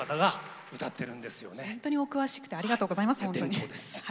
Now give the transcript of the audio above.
本当にお詳しくてありがとうございます本当に。